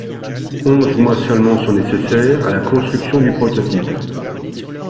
Onze mois seulement sont nécessaires à la construction du prototype.